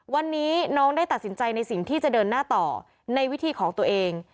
วันนี้น้องได้ตัดสินใจในสิ่งที่จะเดินหน้าต่อในวิธีของตัวเอง